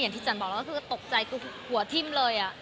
ที่จันบอกแล้วก็คือตกใจคือหัวทิ้มเลย